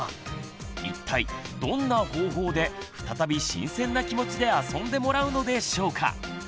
一体どんな方法で再び新鮮な気持ちで遊んでもらうのでしょうか？